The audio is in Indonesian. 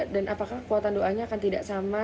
apakah kekuatan doanya akan tidak sama